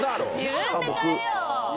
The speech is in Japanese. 自分で買えよ。